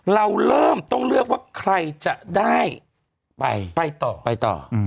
เราเริ่มต้องเลือกว่าใครจะได้ไปต่อ